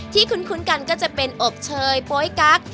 คุ้นกันก็จะเป็นอบเชยโป๊ยกั๊ก